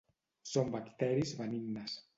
Són bacteris benignes.